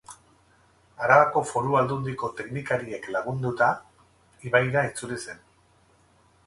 Arabako Foru Aldundiko teknikariek lagunduta, ibaira itzuli zen.